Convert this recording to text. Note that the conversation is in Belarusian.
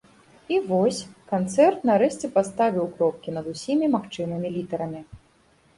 І вось, канцэрт нарэшце паставіў кропкі над усімі магчымымі літарамі.